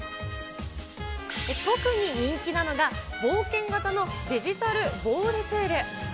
特に人気なのが、冒険型のデジタルボールプール。